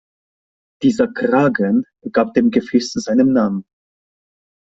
Dieser „Kragen“ gab dem Gefäß seinen Namen.